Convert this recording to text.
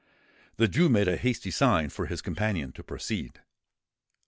The Jew made a hasty sign for his companion to proceed.